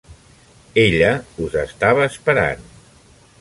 Ella us ha estava esperant.